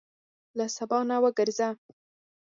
له سبا نه وګرځه.